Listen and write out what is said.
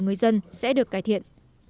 người dân sẽ được cải thiện